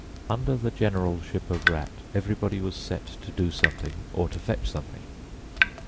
Under the generalship of Rat, everybody was set to do something or to fetch something.